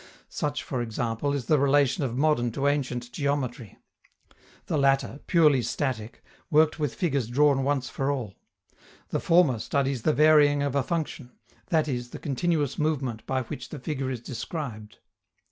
Such, for example, is the relation of modern to ancient geometry. The latter, purely static, worked with figures drawn once for all; the former studies the varying of a function that is, the continuous movement by which the figure is described.